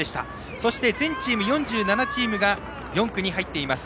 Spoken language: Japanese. そして全チーム４７チームが４区に入っています。